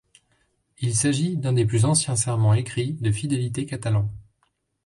Il s'agit d'un des plus anciens serments écrits de fidélités catalans.